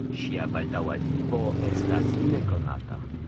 Ŝia baldaŭa vivo estas nekonata.